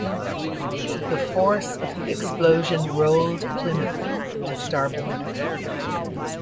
The force of the explosion rolled "Plymouth" to starboard.